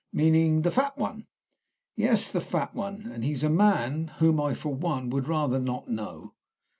"Meaning the fat one?" "Yes, the fat one. And he's a man whom I, for one, would rather not know."